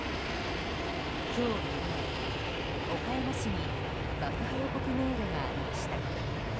今日未明、岡山市に爆破予告メールがありました。